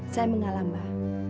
saya menghalang mbah